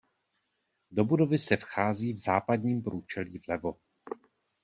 Do budovy se vchází v západním průčelí vlevo.